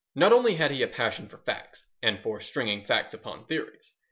Not only had he a passion for facts and for stringing facts upon theories.